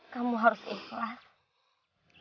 kamu harus ikhlas